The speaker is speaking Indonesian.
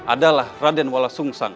adalah raden walasungsang